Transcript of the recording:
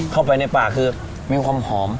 เข้าไปในปากคือมีความหอม